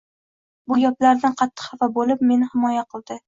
Bu gaplardan qattiq xafa bo`lib, meni himoya qildi